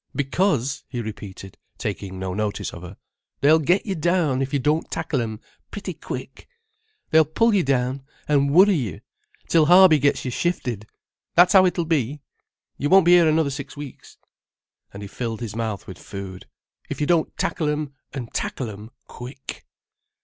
"Because," he repeated, taking no notice of her, "they'll get you down if you don't tackle 'em pretty quick. They'll pull you down, and worry you, till Harby gets you shifted—that's how it'll be. You won't be here another six weeks"—and he filled his mouth with food—"if you don't tackle 'em and tackle 'em quick."